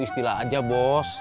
pastilah aja bos